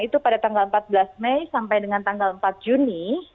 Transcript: itu pada tanggal empat belas mei sampai dengan tanggal empat juni